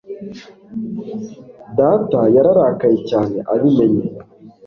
Data yararakaye cyane abimenye.